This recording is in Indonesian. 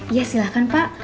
iya silahkan pak